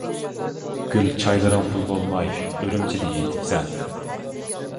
گۈل چايلىرىڭ پۇل بولماي، ئۈرۈمچىدە يېتىپسەن.